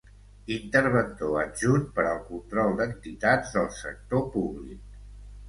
Interventor adjunt per al Control d'Entitats del Sector Públic.